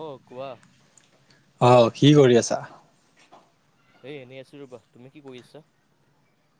অ কোৱা। আহ কি কৰি আছা? এ এনেই আছোঁ ৰবা তুমি কি কৰি আছা।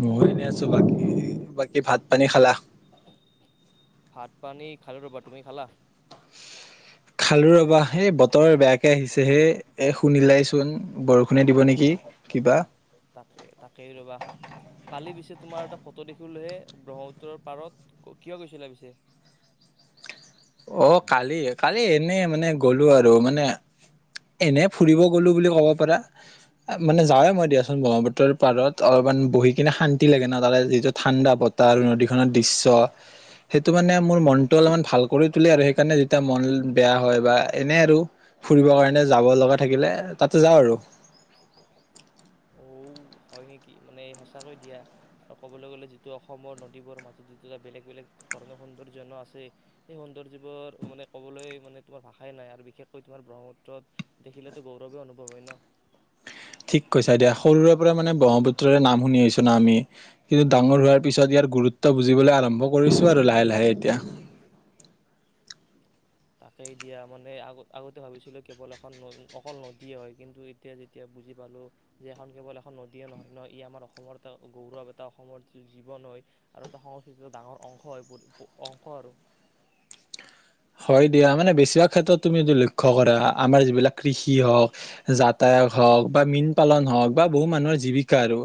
মইয়ো এনেই আছো বাকী বাকী ভাত পানী খালা। ভাত পানী খালো ৰ'বা তুমি খালা। খালো ৰবা সেই বতৰ বেয়াকে আহিছে হে এ শুনিলাই চোন বৰষুণে দিব নেকি কিবা? তাকেই তাকেই ৰ'বা কালি পিছে তোমাৰ এটা ফটো দেখিলোহে ব্ৰহ্মপুত্ৰৰ পাৰত কিয় গৈছিলা পিছে? অ কালি কালি এনেই মানে গ'লো আৰু মানে এনে ফুৰিব গ'লো বুলি ক'ব পাৰা মানে যাওঁৱে মই দিয়াচোন ব্ৰহ্মপুত্ৰৰ পাৰত অলপমান বহি কিনে শান্তি লাগে ন তাৰে যিটো ঠাণ্ডা বতাহ নদীখনৰ দৃশ্য সেইটো মানে মোৰ মনটো অলপমান ভাল কৰি তুলে আৰু সেইকাৰণে যেতিয়া মন বেয়া হয় বা এনে আৰু ফুৰিব কাৰণে যাব লগা থাকিলে তাতে যাওঁ আৰু অ হয় নেকি মানে সঁচাকৈ দিয়া আৰু ক'বলৈ গ'লে যিটো অসমৰ নদীবোৰৰ মাজত যিটো এটা বেলেগ বেলেগ ধৰণৰ সৌন্দৰ্য্য ন আছে সেই সৌন্দৰ্যবোৰ মানে ক'বলৈ মানে তোমাৰ ভাষাই নাই আৰু বিশেষকৈ তোমাৰ ব্ৰহ্মপুত্ৰত দেখিলেতো গৌৰৱে অনুভৱ হয় ন ঠিক কৈছা দিয়া সৰুৰে পৰা মানে ব্ৰহ্মপুত্ৰৰে নাম শুনি আহিছোঁ না আমি কিন্তু ডাঙৰ হোৱাৰ পিছত ইয়াৰ গুৰুত্ব বুজিবলে আৰম্ভ কৰিছোঁ আৰু লাহে লাহে এতিয়া তাকেই দিয়া মানে আ আগতে ভাবিছিলোঁ কেৱল এখন অকল নদীয়ে হয় কিন্তু এতিয়া যেতিয়া বুজি পালোঁ যে এখন কেৱল এখন নদীয়ে নহয় ন ই আমাৰ অসমৰ এটা গৌৰৱ এটা অসমৰ যিটো জীৱন হয় আৰু এটা সংস্কৃতিৰ ডাঙৰ অংশ হয় বহুত অংশ আৰু হয় দিয়া মানে বেছিভাগ ক্ষেত্ৰত তুমি এইটো লক্ষ্য কৰা আমাৰ যিবিলাক কৃষি হওঁক যাতায়াত হওঁক বা মীন পালন হওঁক বা বহু মানুহৰ জীৱিকা আৰু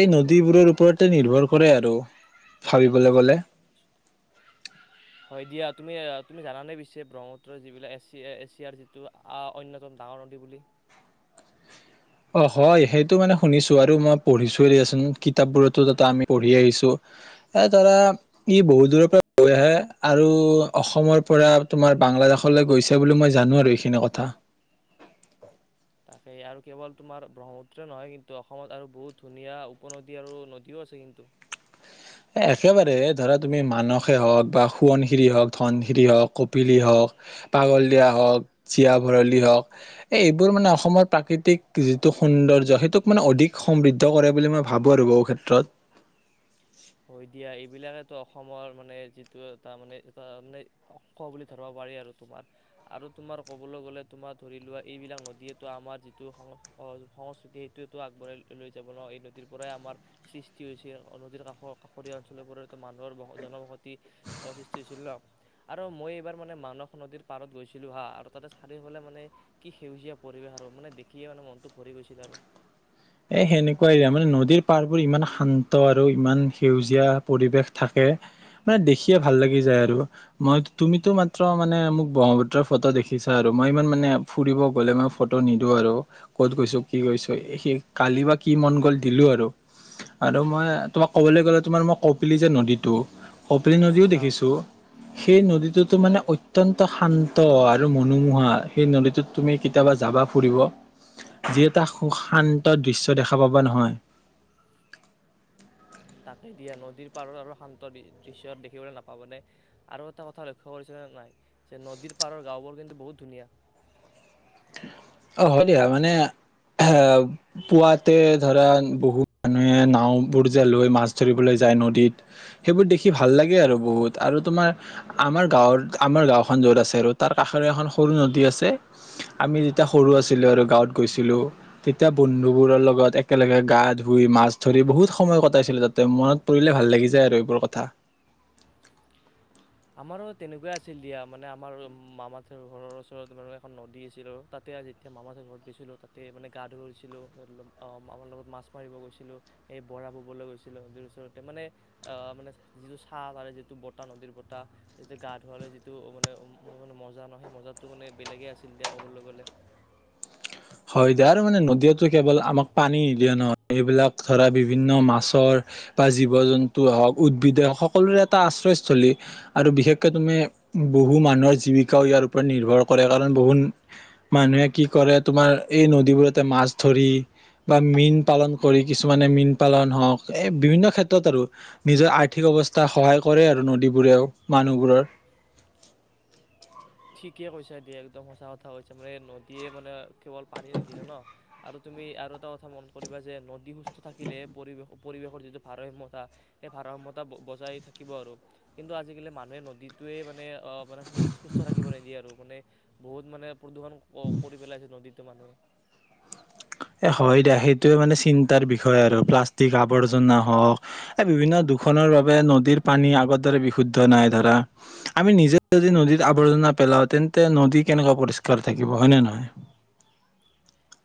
এই নদীবোৰৰ ওপৰতে নিৰ্ভৰ কৰে আৰু ভাবিবলে গ'লে এ দিয়া তুমি তুমি জানানে পিছে ব্ৰহ্মপুত্ৰ যিবিলাক এছিয় এছিয়াৰ যিটো আ অন্যতম ডাঙৰ নদী বুলি অ হয় সেইটো মানে শুনিছো আৰু মই পঢ়িছো দিয়াচোন কিতাপবোৰতো জাতে আমি পঢ়ি আহিছো, এ ধৰা ই বহুত দূৰৰ পৰা বৈ আহে আৰু অসমৰ পৰা তোমাৰ বাংলাদেশলে গৈছে বুলি মই জানো আৰু এইখিনি কথা। তাকে আৰু কেৱল তোমাৰ ব্ৰহ্মপুত্ৰে নহয় কিন্তু অসমত আৰু বহুত ধুনীয়া উপনদী আৰু নদীও আছে কিন্তু। একেবাৰে ধৰা তুমি মানসেই হওঁক বা সোৱণশিৰি হওঁক, ধনশিৰি হওঁক, কপিলি হওঁক, পাগল দিয়া হওঁক, জীয়া ভৰালি হওক এই এইবোৰ মানে অসমৰ প্ৰাকৃতিক যিটো সৌন্দৰ্য সেইটোক মানে অধিক সমৃদ্ধ কৰে বুলি মই ভাবো আৰু বহু ক্ষেত্ৰত। হৈ দিয়া এইবিলাকেটো অসমৰ মানে যিটো এটা মানে এটা মানে অংশ বুলি ধৰাব পাৰি আৰু তোমাৰ আৰু তোমাৰ কবলৈ গলে তোমাৰ ধৰি লোৱা এইবিলাক নদীয়ে আমাৰ যিটো সং সংস্কৃতি সেইটোৱে আগবঢ়াই লৈ যাব ন এই নদীৰ পৰাই আমাৰ সৃষ্টি হৈছে নদীৰ কাষত। কাষৰীয়া অঞ্চলবোৰতো মানুহৰ ব - জনবসতি সৃষ্টি হৈছিল ন আৰু মই এইবাৰ মানে মানস নদীৰ পাৰত গৈছিলো হা আৰু তাতে চাৰিওফালে মানে কি সেউজীয়া পৰিৱেশ আৰু মানে দেখিয়ে মানে মনটো ভৰি গৈছিল আৰু। এ সেনেকুৱাই দিয়া মানে নদীৰ পাৰবোৰ ইমান শান্ত আৰু ইমান সেউজীয়া পৰিৱেশ থাকে মানে দেখিয়ে ভাল লাগি যায় আৰু মই - তুমিতো মাত্ৰ মানে মোক ব্ৰহ্মপুত্ৰৰ ফটো দেখিছা আৰু মই ইমান মানে ফুৰিব গলে মই ফটো নিদো আৰু কত গৈছো কি গৈছো [unintelligible] কালি বা কি মন গ'ল দিলো আৰু আৰু মই তোমাক ক'বলৈ গ'লে তোমাৰ মই কপিলি যে নদীটো কপিলী নদীও আহ দেখিছোঁ, সেই কি নদীটোতো কোৱা মানে অত্যন্ত শান্ ত আৰু মনোমোহা, সেই নদীটোত তুমি কেতিয়াবা যাবা ফুৰিব যি এটা সু - শান্ ত দৃশ্য দেখা পাবা নহয়। তাকে দিয়া নদীৰ পাৰৰ আৰৰ শান্ত দি - দৃশ্য দেখিবলে নাপাবনে আৰু এটা কথা লক্ষ্য কৰিছিলা নাই যে নদীৰ পাৰৰ গাঁওবোৰ কিন্তু বহুত ধুনীয়া। অ হয় দিয়া মানে এ পুৱাতে ধৰা বহুত মানুহে নাওবোৰ যে লৈ মাছ ধৰিবলৈ যায় নদীত, সেইবোৰ দেখি ভাল লাগে আৰু বহুত আৰু তোমাৰ আমাৰ গাঁৱৰ আমাৰ গাঁওখন যত আছে আৰু তাৰ কাষৰে এখন সৰু নদী আছে, আমি তিয়া সৰু আছিলো আৰু গাঁৱত গৈছিলো, তেতিয়া বন্ধুবোৰৰ লগত একেলগে গা ধুই, মাছ ধৰি বহুত সময় কটাইছিলো তাতে। মনত পৰিলে ভাল লাগি যায় আৰু এইবোৰ কথা। আমাৰো তেনেকুৱাই আছিল দিয়া মানে আমাৰ মামা থেৰ ঘৰৰ ওচৰত বাৰু এখন নদী আছিল আৰু তাতে আজি এতিয়া মামাঁ ঠেৰ ঘৰত গেইছিলোঁ তাতে মানে গা ধুইছিলোঁ [unintelligible] মামাৰ লগত মাছ মাৰিব গৈছিলোঁ, সেই বৰা ববলৈ গৈছিলোঁ নদীৰ ওচৰতে। মানে অ মানে যিটো [unintelligible] পাৰে যিটো বতাহ নদীৰ বত তাহ যেতিয়া গা ধুৱালে যিটো মানে ম- ম - মজা ন সেই মজাটো মানে বেলেগে আছিল দিয়া ক'বলৈ গ'লে। হয় দিয়া আৰু মানে নদীয়েতো কেৱল আমাক পানী নিদিয়ে ন এইবিলাক ধৰা বিভিন্ন মাছৰ বা জীৱ জন্তু হওক, উদ্ভিদে সকলোৰে এটা আশ্ৰয়স্থলী আৰু বিশেষকৈ তুমি বহু মানুহৰ জীৱিকাও ইয়াৰ ওপৰত নিৰ্ভৰ কৰে কাৰণ বহু মানুহে কি কৰে তোমাৰ এই নদীবোৰতে মাছ ধৰি বা মীন পালন কৰি কিছুমানে মীন পালন হওঁক এই বিভিন্ন ক্ষেত্ৰত আৰু নিজৰ আৰ্থিক অৱস্থা সহায় কৰে আৰু নদীবোৰেও মানুহবোৰৰ। থিকে কৈছা দিয়া একদম সঁচা কথা কৈছা মানে নদীয়ে মানে কেৱল পানী নিদিয়ে ন আৰু তুমি আৰু এটা কথা মন কৰিবা যে নদী থাকিলে পৰিৱেশ পৰিৱেশৰ যিটো ভাৰসাম্যতা সেই ভাৰসাম্যতা বজাই থাকিব আৰু কিন্তু আজিকালি মানুহে নদীটোৱেই মানে অ [unintelligible] [unintelligible] আৰু মানে বহুত মানে প্ৰদূষণ ক - কৰি পেলাইছে নদীত। [unintelligible] এ হয় দে সেই টোৱে মানে চিন্তাৰ বিষয় আৰু প্লাষ্টিক আৱৰ্জনা হওক এই বিভিন্ন দূখনৰ বাবে নদীৰ পানী আগৰ দৰে বিশুদ্ধ নাই ধৰা, আমি নিজে যদি নদীত আৱৰ্জনা পেলাও তেন্তে নদী কেনেকা পৰিষ্কাৰ থাকিব হয়নে নহয়?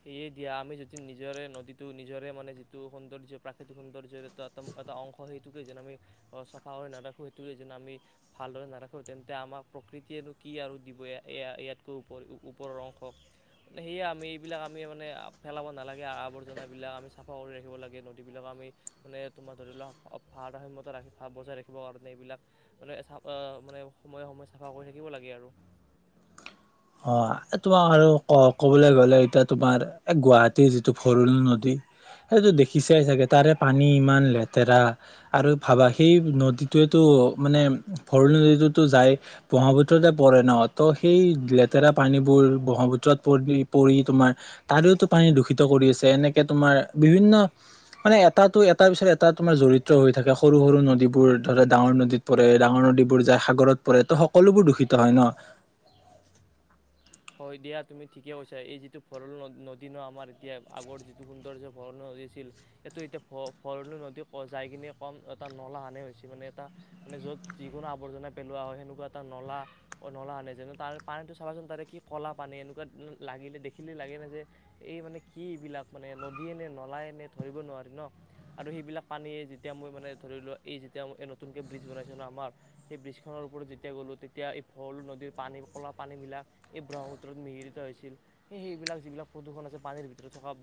সেয়ে দিয়া আমি যদি নিজৰে নদীটো নিজৰে মানে যিটো সৌন্দৰ্য প্ৰাকৃতিক সৌন্দৰ্যৰ এটা - এটা - এটা অংশ সেইটোকে যেন আমি চফা কৰি নাৰাখোঁ, সেইটোকে যেন আমি ভালদৰে নাৰাখোঁ তেন্তে আমাক প্ৰকৃতিয়েনো কি আৰু দিব এয়া - এয়া - এয়াতকৈ উপ - উপ - উপৰৰ অংশ, মানে সেয়ে আমি বিলাক আমি মানে ফেলাব নালাগে আ - আৱৰ্জনাবিলাক আমি চাফা কৰি ৰাখিব লাগে, নদীবিলাক আমি মানে তোমাৰ ধৰি লোৱা ভাৰসাম্যতা ৰা - বজাই ৰাখিব কাৰণে এইবিলাক মানে চ অ মানে সময়ে সময়ে চাফা কৰি থাকিব লাগে আৰু। অ তোমাক আৰু ক - কবলৈ গলে এতিয়া তোমাৰ এ গুৱাহাটীৰ যিটো ভৰলু নদী সেইটো দেখিছাই চাগে তাৰে পানী ইমান লেতেৰা আৰু ভাবা সেই নদীটোৱে তো মানে ভৰলু নদীটোতো যাই ব্ৰহ্মপুত্ৰতে পৰে ন ত' সেই লে লেতেৰা পানীবোৰ ব্ৰহ্মপুত্ৰত পৰলি - পৰি তোমাৰ তাৰেও তো পানী দূষিত কৰি আছে এনেকে তোমাৰ বিভিন্ন মানে এটাটো এটা পিছত এটা তোমাৰ জৰিত হৈ থাকে সৰু সৰু নদীবোৰ ধৰা ডাঙৰ নদীত পৰে, ডাঙৰ নদীবোৰ যায় সাগৰত পৰে ত' সকলোবোৰ দূষিত হয় ন। হয় দিয়া তুমি ঠিকে কৈছা এই যিটো ভৰলু নদ - নদী ন আমাৰ এতিয়া আগৰ যিটো সুন্দৰ যে ভৰলু নদী আছিল সেইটো এতিয়া ভ - ভৰলু নদী যাই কিনে কম এটা নলা হানে হৈছি মানে এটা মানে য'ত যিকোনো আৱৰ্জনা পেলোৱা হয় সেনেকুৱা এটা নলা নলা হানে যেনে তাৰ পানীটো চাবাচোন তাৰে কি ক'লা পানী এনেকুৱা লাগিলে দেখিলে লাগে ন যে এই মানে কি এইবিলাক মানে নদীয়ে নে নলাই নে ধৰিব নোৱাৰি ন আৰু সেইবিলাক পানীয়ে যেতিয়া মই মানে ধৰিলো এই যেতিয়া নতুনকৈ ব্ৰীজ বনাইছো ন আমাৰ সেই ব্ৰীজ খনৰ ওপৰত যেতিয়া গ'লোঁ তেতিয়া এই ভৰলু নদীৰ পানী ক'লা পানীবিলাক এই ব্ৰহ্মপুত্ৰত মিহিলিত হৈছিল সেই - সেইবিলাক যিবিলাক প্ৰদূষণ আছে পানীৰ ভিতৰত থকা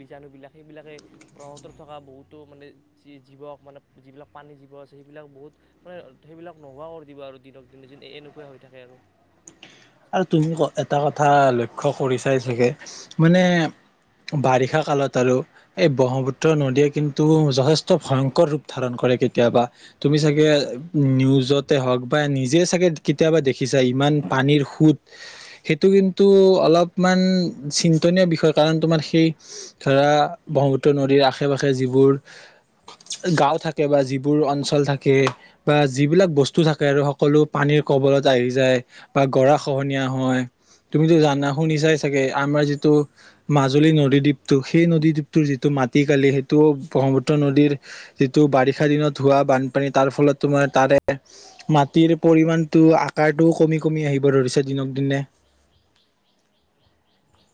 বীজাণুবিলাক সেইবিলাকে ব্ৰহ্মপুত্ৰত থকা বহুতো মানে জী - জীৱক মানে যিবিলাক পানী জীৱ আছে সেইবিলাক বহুত মানে সেইবিলাক নোহোৱা কৰি দিব আৰু দিনক দিনে এনেকুৱা হৈ থাকে আৰু আৰু তুমি এটা কথা লক্ষ্য কৰিচাই চাগে মানে বাৰিষা কালত আৰু এই ব্ৰহ্মপুত্ৰ নদীয়ে কিন্তু যথেষ্ট ভয়ংকৰ ৰূপ ধাৰণ কৰে কেতিয়াবা তুমি চাগে নিউজতে হওক বা নিজে চাগে কেতিয়াবা দেখিছা ইমান পানীৰ সুত সেইটো কিন্তু অলপমান চিন্তনীয় বিষয় কাৰণ তোমাৰ সেই ধৰা ব্ৰহ্মপুত্ৰ নদীৰ আশে পাশে যিবোৰ গাঁও থাকে বা যিবোৰ অঞ্চল থাকে বা যিবিলাক বস্তু থাকে আৰু সকলো পানীৰ কবলত আহি যায় বা গৰা খহনীয়া হয় তুমিতো জানা শুনি চাই ছাগে আমাৰ যিটো মাজুলী নদীদ্বীপটো সেই নদীদ্বীপটোৰ যিটো মাটিকালি সেইটো ব্ৰহ্মপুত্ৰ নদীৰ যিটো বাৰিষা দিনত হোৱা বানপানী তাৰ ফলত তোমাৰ তাৰে মাটিৰ পৰিমানতটো আকাৰটোও কমি কমি আহি ব ধৰিছে দিনক দিনে।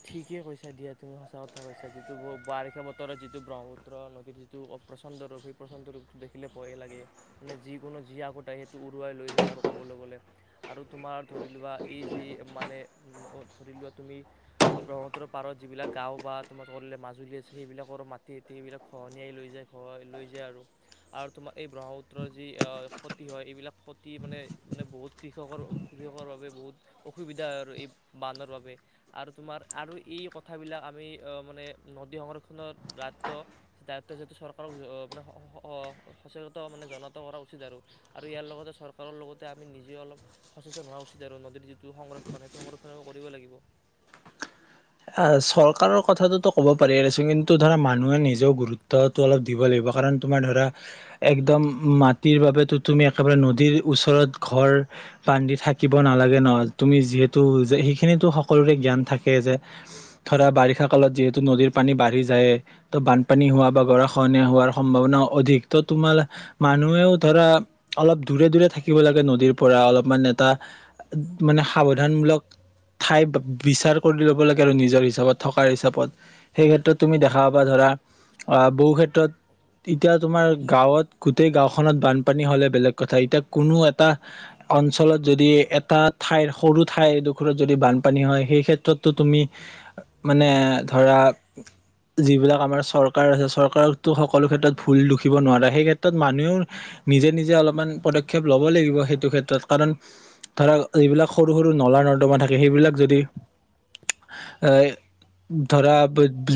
ঠিকেই কৈছা দিয়া তুমি সঁচা কথা কৈছা যিটো বাৰিষা বতৰত যিটো ব্ৰহ্মপুত্ৰ নদীৰ যিটো প্ৰচণ্ড ৰূপ সেই প্ৰচণ্ড ৰূপটো দেখিলে ভয়ে লাগে মানে যিকোনো যি আগত আহে সেইটো উৰুৱাই লৈ যায় আৰু ক'বলৈ গ'লে আৰু তোমাৰ ধৰি লোৱা এই যি মানে ধৰি লোৱা তুমি ব্ৰহ্মপুত্ৰৰ পাৰত যিবিলাক গাঁও বা তোমাৰ ক মাজুলী আছে সেইবিলাকৰ মাটি হতি সেইবিলাক খহনিয়াই লৈ যায় লৈ যায় খহাই লৈ যায় আৰু আৰু তোমাক এই ব্ৰহ্মপুত্ৰৰ যি অ ক্ষতি হয় এইবিলাক ক্ষতি মানে - মানে বহুত কৃষকৰ - কৃষকৰ বাবে বহুত অসুবিধা আৰু এই বানৰ বাবে আৰু তোমাৰ আৰু এই কথাবিলাক আমি অ মানে নদী সংৰক্ষণৰ দায়িত্ব - দায়িত্ব যিহেতু চৰকাৰক জ - অ - মানে স - সচেতন মানে জনাত কৰা উচিত আৰু আৰু ইয়াৰ লগতে চৰকাৰৰ লগতে আমি নিজেও অলপ সচেতন হোৱা উচিত আৰু নদীৰ যিটো সংৰক্ষণ সেইটো সংৰক্ষণ আমি কৰিব লাগিব। আ চৰকাৰৰ কথাটোতো ক'ব পাৰি চোন কিন্তু ধৰা মানুহে নিজেও গুৰুত্বটো অলপ দিব লাগিব কাৰণ তোমাৰ ধৰা একদম মাটিৰ বাবেতো তুমি একেবাৰে নদীৰ ওচৰত ঘৰ বান্ধি থাকিব নালাগে ন' তুমি যিহেতু যে সেইখিনিতো সকলোৰে জ্ঞান থাকে যে ধৰা বাৰিষা কালত যিহেতু নদীৰ পানী বাঢ়ি জায়ে ত' বানপানী হোৱা বা গৰা খহনিয়া হোৱাৰ সম্ভাৱনাও অধিক ত' তোমাল মানুহেও ধৰা অলপ দূৰে দূৰে থাকিব লাগে নদীৰ পৰা অলপমান এটা মানে সাৱধানমূলক ঠাই বিচাৰ কৰি ল'ব লাগে আৰু নিজৰ হিচাপত থকা হিচাপত সেই ক্ষেত্ৰত তুমি দেখা পাবা ধৰা অ বহু ক্ষেত্ৰত এতিয়া তোমাৰ গাঁৱত গোটেই গাঁওখনত বানপানী হ'লে বেলেগ কথা এতিয়া কোনো এটা অঞ্চলত যদি এটা ঠাইৰ সৰু ঠাইডোখৰত যদি বানপানী হয় সেই ক্ষেত্ৰতটো তুমি মানে ধৰা যিবিলাক আমাৰ চৰকাৰ আছে চৰকাৰকো সকলো ক্ষেত্ৰত ভুল দুখিব নোৱাৰে সেই ক্ষেত্ৰত মানুহেও নিজে নিজে অলপমান পদক্ষেপ লব লাগিব সেইটো ক্ষেত্ৰত কাৰণ ধৰা যিবিলাক সৰু সৰু নলা নৰ্দমা থাকে সেইবিলাক যদি এ ধৰা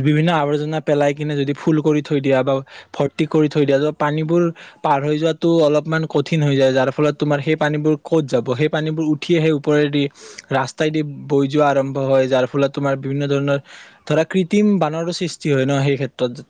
বিভিন্ন আৱৰ্জনা পেলাই কিনে যদি ফুল কৰি থৈ দিয়া বা ভৰ্তি কৰি থৈ দিয়া ত পানীবোৰ পাৰ হৈ যোৱাতটো অলপমান কঠিন হৈ যাৰ ফলত তোমাৰ সেই পানীবোৰ কত যাব সেই পানীবোৰ উঠি আহেই ওপৰেদি ৰাস্তাইদি বৈ যোৱা আৰম্ভ হয়। যাৰ ফল- ভূলত তোমাৰ বিভিন্ন ধৰণৰ ধৰা কৃত্ৰিম বানৰো সৃষ্টি হয়। ন সেই ক্ষেত্ৰত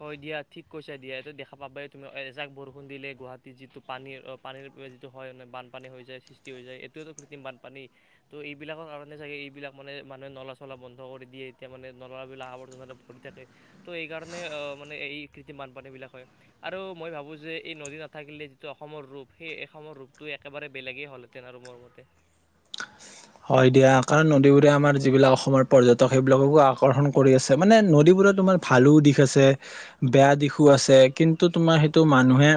হয় দিয়া ঠিক কৈছে দিয়া এইটো দেখা পাব এ তুমি এজাক বৰষুণ দিলে গুৱাহাটীত যিটো পানীৰ পানীৰ যিটো হয় মানে বানপানী হৈ যায় সৃষ্টি হৈ যায় এইটোৱেটো কৃত্ৰিম বানপানী তো এইবিলাকৰ কাৰণে চাগে এইবিলাক মানে মানুহে নলা চলা বন্ধ কৰি দিয়ে এতিয়া মানে নলাবিলাক আৱৰ্জনাৰে ভৰি থাকে তো এইকাৰণে মানে মানে এই কৃত্ৰিম বানপানী বিলাক হয় আৰু মই ভাবো যে এই নদী নাথাকিলে যিটো অসমৰ ৰূপ সেই অসমৰ ৰূপটো একেবাৰে বেলেগেই হ'লহেতেন আৰু মোৰ মতে হয় দিয়া। কাৰণ নদীবোৰে আমাৰ যিবিলাক অসমৰ পৰ্যটক সেইবিলাককো আকৰ্ষণ কৰি আছে মানে নদীবোৰে তোমাৰ ভালো দিশ আছে বেয়া দিশো আছে কিন্তু তোমাৰ সেইটো মানুহে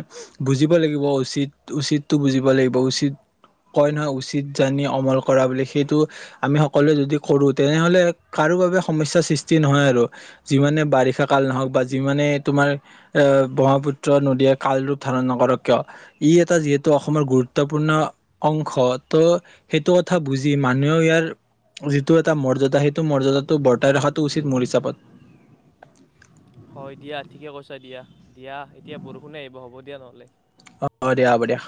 বুজিব লাগিব উচিত উচিতটো বুজিব লাগিব উচিত কয় নহয় উচিত জানি অমল কৰা বুলি সেইটো আমি সকলোৱে যদি কৰো তেনেহলে কাৰো বাবে সমস্যাৰ সৃষ্টি নহয় আৰু যিমানে বাৰিষা কাল নহওক বা যিমানে তোমাৰ এ ব্ৰহ্মপুত্ৰ নদীয়ে কাল ৰূপ ধাৰণ নকৰক কিয় ই এটা যিহেতু অসমৰ গুৰুত্বপূৰ্ণ অংশ ত' সেইটো কথা বুজি মানুহেও ইয়াৰ যিটো এটা মৰ্যাদা সেইটো মৰ্যদাটো বৰ্তাই ৰখাটো উচিত মোৰ হিচাপত হয় দিয়া ঠিকে কৈছা দিয়া দিয়া এতিয়া বৰষুণে আহিব হ'ব দিয়া নহ'লে। অ হব দিয়া হব দিয়া